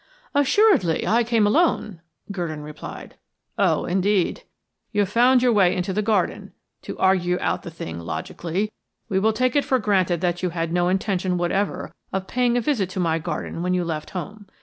"Assuredly, I came alone," Gurdon replied. "Oh, indeed. You found your way into the garden. To argue out the thing logically, we will take it for granted that you had no intention whatever of paying a visit to my garden when you left home.